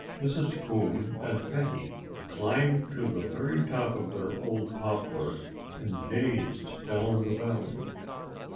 Mrs. Coon and Fatty climbed to the very top of their old poplar and gazed down the valley.